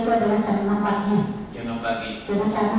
jadi kamu mau berantakan